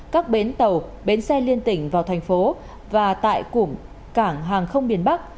các bến tàu bến xe liên tỉnh vào thành phố và tại củng cảng hàng không biên bắc